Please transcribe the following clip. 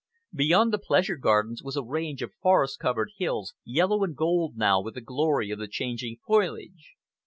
Beyond the pleasure gardens was a range of forest covered hills, yellow and gold now with the glory of the changing foliage.